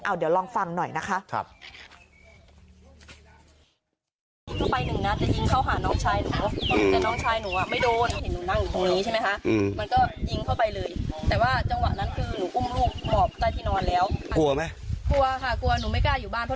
เดี๋ยวลองฟังหน่อยนะคะ